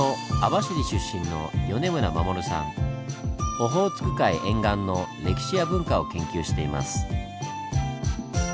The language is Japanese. オホーツク海沿岸の歴史や文化を研究しています。